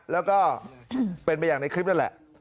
แล้วก็เป็นไปอย่างในคลิปนั่นแหละ